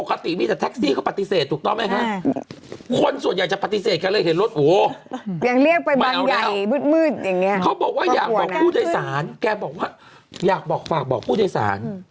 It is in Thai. คนมักจะขอติดไม้ติดมือกลับบ้านเสมอ